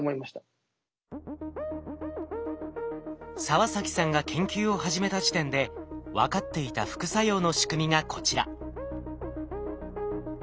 澤崎さんが研究を始めた時点で分かっていた副作用の仕組みがこちら。